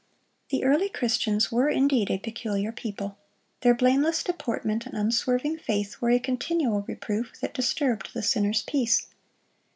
The early Christians were indeed a peculiar people. Their blameless deportment and unswerving faith were a continual reproof that disturbed the sinner's peace.